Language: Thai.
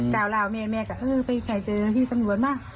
กล่าวล่าออกแมงก็เออไปไหนเธอที่สำรวจมาก